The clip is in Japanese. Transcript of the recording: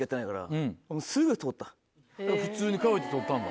普通に通って取ったんだ。